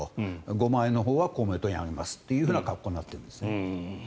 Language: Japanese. ５万円のほうは公明党にあげますという格好になっているんですね。